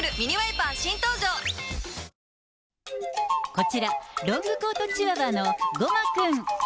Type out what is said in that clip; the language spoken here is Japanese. こちら、ロングコートチワワのごまくん。